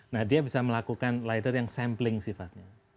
nah dia bisa melakukan lighter yang sampling sifatnya